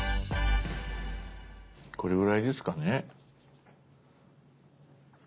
これぐらいですかね。